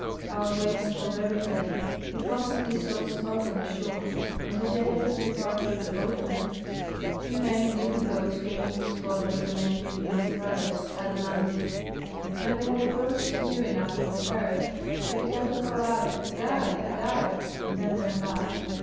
While waiting for their return we constantly saw smoke on the shores, and the day after the departure of the boatman two men, in different boats, came from the spot Avhere Dementiew and Sawelew had Accuunt of the Russian Officer {Waxel). 229 landed. Wlien they had approached near enough to be heard they be gan to call out, 'Agai, agai,' and then went back.